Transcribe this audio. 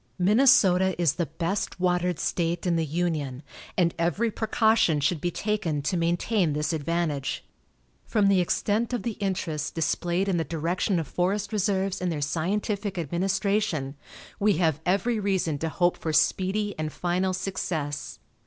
Minnesota is the best watered state in the Union, and every precaution should be taken to maintain this advantage. From the extent of the interest displayed in the direction of forest reserves and their scientific administration, we have every reason to hope for speedy and final success.